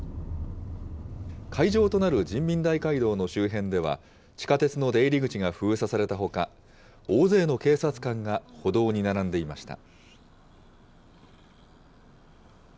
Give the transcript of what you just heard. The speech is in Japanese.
会場となる人民大会堂の周辺では、地下鉄の出入り口が封鎖されたほか、大勢の警察官が歩道に並んでいました。